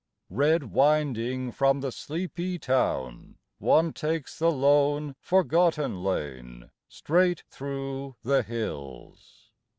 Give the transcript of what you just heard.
Red winding from the sleepy town, One takes the lone, forgotten lane Straight through the hills.